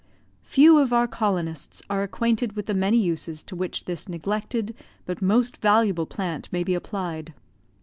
Few of our colonists are acquainted with the many uses to which this neglected but most valuable plant may be applied.